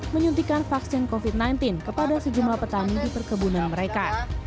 menyuntikan vaksin covid sembilan belas kepada sejumlah petani di perkebunan mereka